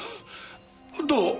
どう？